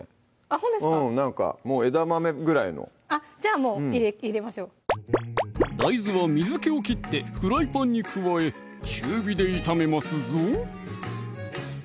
ほんとですかなんかもう枝豆ぐらいのあっじゃあもう入れましょう大豆は水気を切ってフライパンに加え中火で炒めますぞ！